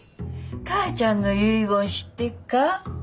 母ちゃんの遺言知ってっか？